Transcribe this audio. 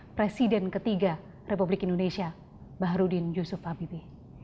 presiden ketiga republik indonesia baharudin yusuf habibi